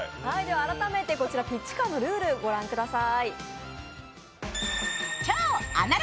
改めてこちら「ピッチカー」のルールご覧ください。